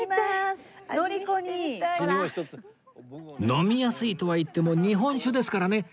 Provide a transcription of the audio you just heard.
飲みやすいとはいっても日本酒ですからね